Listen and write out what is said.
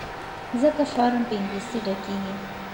ځکه فارم په انګلیسي ډکیږي.